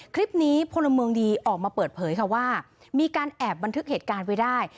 คลิปนี้พลเมืองดีออกมาเปิดเผยว่ามีการแอบบัณฑฤติการไว้ได้